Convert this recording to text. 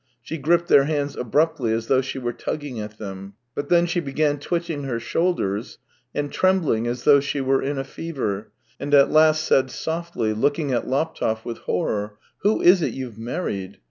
She gripped their hands abruptly, as though she were tugging at them. But then she began twitching her shoulders, and trembling as though she were in a fever, and at last said softly, looking at Laptev with horror: " Who is it you've married